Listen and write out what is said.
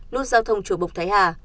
nút giao thông chùa bộc thái hà